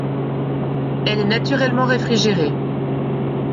Elle est naturellement réfrigérée.